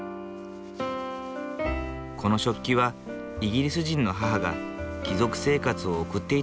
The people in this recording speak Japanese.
この食器はイギリス人の母が貴族生活を送っていた頃の名残。